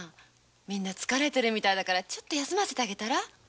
みんな疲れてるみたいだからちょっと休ませてあげたら？